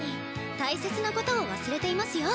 大切なことを忘れていますよ。